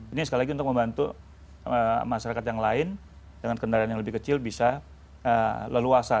ini sekali lagi untuk membantu masyarakat yang lain dengan kendaraan yang lebih kecil bisa leluasa